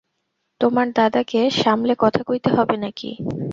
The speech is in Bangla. তোমার দাদাকে সামলে কথা কইতে হবে নাকি?